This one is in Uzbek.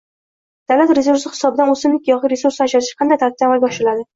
Davlat resursi hisobidan o’simlik yog’i resursi ajratish kanday tartibda amalga oshiriladi?